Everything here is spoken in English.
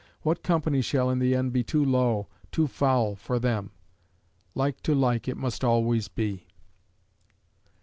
What company shall in the end be too low, too foul for them? Like to like it must always be.